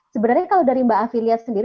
sebenarnya kalau dari mbak afi lihat sendiri